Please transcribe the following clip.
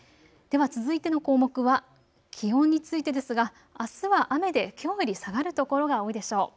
では続いての項目は気温についてですが、あすは雨できょうより下がる所が多いでしょう。